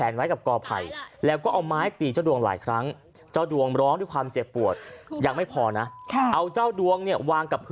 รวมฝาดลงกับโต๊ะไม้จนต้องไม้หัก